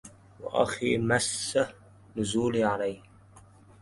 وأخ مسه نزولي عليه